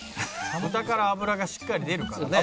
豚から油がしっかり出るからね。